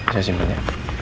saya simpen ya